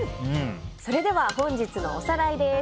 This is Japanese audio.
それでは、本日のおさらいです。